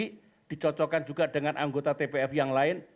tapi dicocokkan juga dengan anggota tpf yang lain